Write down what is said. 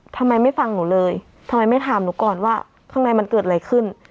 ทำไมไม่ฟังหนูเลยทำไมไม่ถามหนูก่อนว่าข้างในมันเกิดอะไรขึ้น